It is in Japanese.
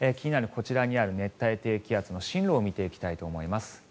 こちらにある熱帯低気圧の進路を見ていきたいと思います。